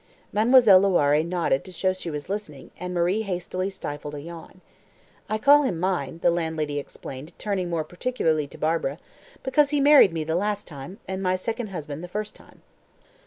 Mademoiselle Loiré nodded to show she was listening, and Marie hastily stifled a yawn. "I call him mine," the landlady explained, turning more particularly to Barbara, "because he married me the last time, and my second husband the first time."